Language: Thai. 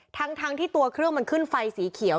ทั้งที่ตัวเครื่องมันขึ้นไฟสีเขียว